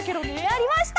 やりました！